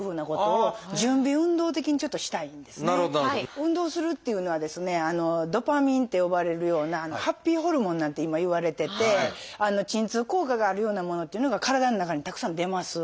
運動するっていうのはですね「ドパミン」って呼ばれるような「ハッピーホルモン」なんて今いわれてて鎮痛効果があるようなものっていうのが体の中にたくさん出ます。